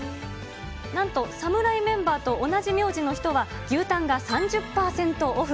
なんと、侍メンバーと同じ名字の人は、牛タンが３０％オフ。